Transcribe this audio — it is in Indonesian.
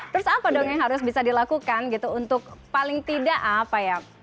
terus apa dong yang harus bisa dilakukan gitu untuk paling tidak apa ya